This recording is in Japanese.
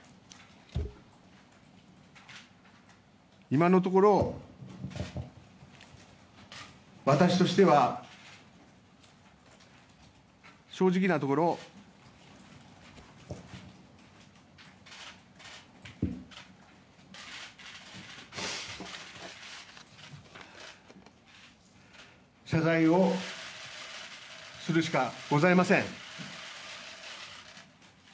今のところ、私としては正直なところ謝罪をするしかございません。